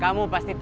kamu harus selamat